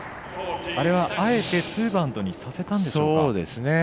あれは、あえてツーバウンドにさせたんでしょうか？